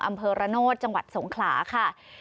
อำเภอระโนธจังหวัดสงขลาค่ะ